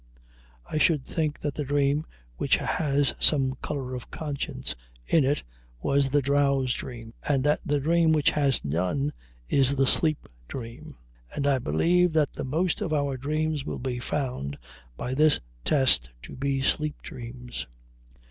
I should think that the dream which has some color of conscience in it was the drowse dream, and that the dream which has none is the sleep dream; and I believe that the most of our dreams will be found by this test to be sleep dreams.